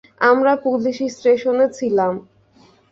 আমরা পুলিশ স্টেশনে ছিলাম।